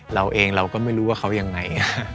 เราเองเราก็ไม่รู้ว่าเขายังไง